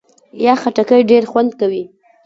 یخ خټکی ډېر خوند کوي.